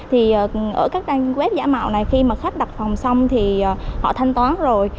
thì ở các trang web giả mạo này khi mà khách đặt phòng xong thì họ thanh toán rồi